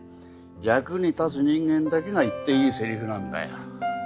役に立つ人間だけが言っていいセリフなんだよ。